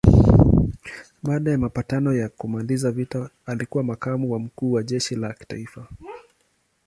Baada ya mapatano ya kumaliza vita alikuwa makamu wa mkuu wa jeshi la kitaifa.